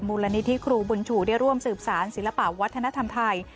มูลนิธิครูบุญชูได้ร่วมสืบสารศิลปะวัฒนธรรมไทย